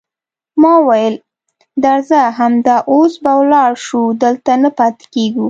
ما وویل: درځه، همدا اوس به ولاړ شو، دلته نه پاتېږو.